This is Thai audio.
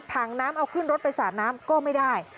ถังน้ำเอาขึ้นรถไปสาดน้ำก็ไม่ได้